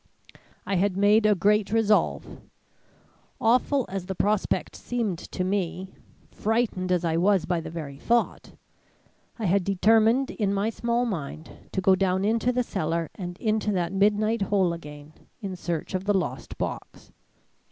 I had made a great resolve. Awful as the prospect seemed to me, frightened as I was by the very thought, I had determined in my small mind to go down into the cellar, and into that midnight hole again, in search of the lost box.